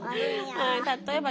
例えばえ？